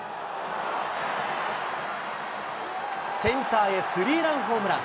センターへスリーランホームラン。